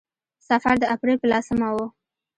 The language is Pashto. سفر د اپرېل په لسمه و.